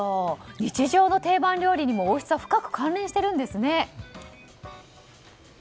日常の定番料理にも王室は深く関連しているんですね。